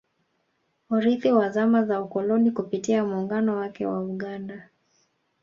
Urithi wa zama za ukoloni Kupitia muungano wake wa Uganda